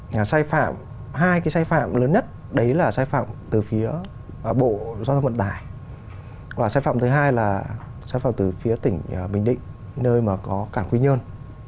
là sai phạm hai cái sai phạm lớn nhất đấy là sai phạm từ phía bộ giao thông vận tải và sai phạm thứ hai là sai phạm từ phía tỉnh bình định nơi mà có cảng quy nhơn